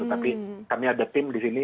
tapi kami ada tim di sini